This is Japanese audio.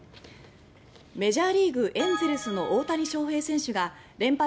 メジャーリーグ、エンゼルスの大谷翔平選手が連敗